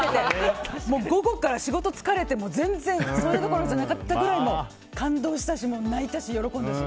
午後から仕事疲れて全然それどころじゃなかったぐらい感動したし、泣いたし、喜んだし。